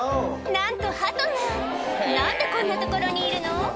なんとハトが何でこんな所にいるの？